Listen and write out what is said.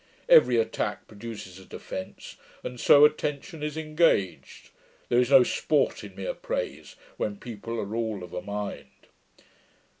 Every attack produces a defence; and so attention is engaged. There is no sport in mere praise, when people are all of a mind.'